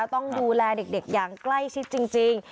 ต้องดูแลเด็กอย่างใกล้ชิดจริง